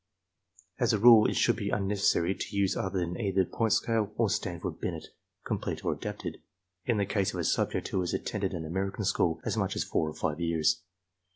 As a rule it should be imnecessary to use others than either the point scale or Stanford Binet (complete or I adapted) in the case of a subject who has attended an American school as much as four or five years.